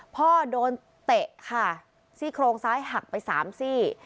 พ่อโดนเตะค่ะซี่โครงซ้ายหักไปสามซี่